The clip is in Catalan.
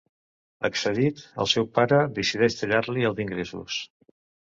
Excedit, el seu pare decideix tallar-li els ingressos.